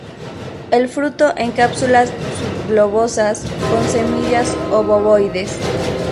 El fruto en cápsulas subglobosas con semillas obovoides.